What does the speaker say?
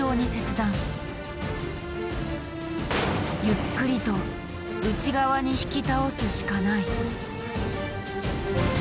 ゆっくりと内側に引き倒すしかない。